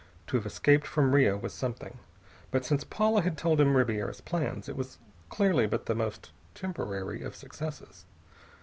To have escaped from Rio was something, but since Paula had told him Ribiera's plans, it was clearly but the most temporary of successes.